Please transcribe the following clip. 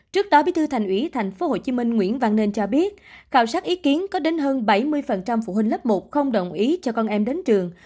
trước đó bí thư thành ủy tp hcm nguyễn văn nên cho biết khảo sát ý kiến có đến hơn bảy mươi phụ huynh lớp một không đồng ý cho con em đến trường